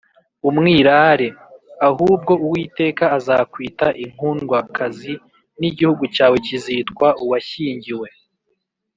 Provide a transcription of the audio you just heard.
“Umwirare”, ahubwo Uwiteka azakwita “Inkundwakazi,” n’igihugu cyawe kizitwa ‘‘Uwashyingiwe.